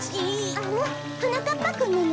あらはなかっぱくんなの？